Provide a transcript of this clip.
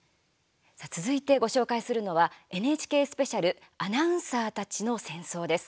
続いてご紹介するのはＮＨＫスペシャル「アナウンサーたちの戦争」です。